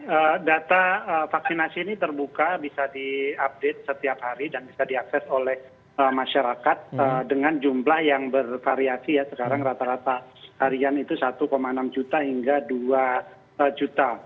ya data vaksinasi ini terbuka bisa diupdate setiap hari dan bisa diakses oleh masyarakat dengan jumlah yang bervariasi ya sekarang rata rata harian itu satu enam juta hingga dua juta